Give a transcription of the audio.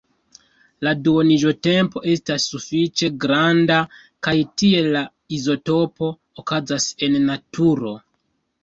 La duoniĝotempo estas sufiĉe granda kaj tiel la izotopo okazas en naturo.